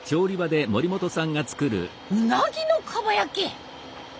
うなぎのかば焼き！